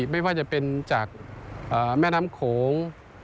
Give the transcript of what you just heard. ไม่ว่าจะเป็นจากแม่น้ำโขง